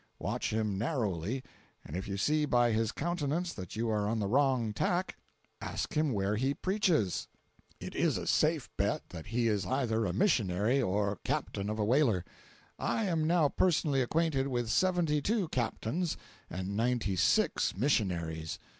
Watch him narrowly, and if you see by his countenance that you are on the wrong tack, ask him where he preaches. It is a safe bet that he is either a missionary or captain of a whaler. I am now personally acquainted with seventy two captains and ninety six missionaries.